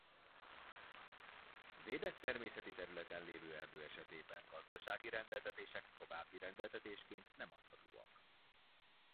Védett természeti területen lévő erdő esetében gazdasági rendeltetések további rendeltetésként nem adhatóak.